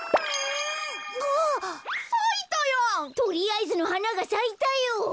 とりあえずのはながさいたよ！